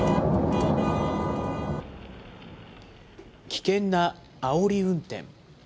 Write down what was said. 危険なあおり運転。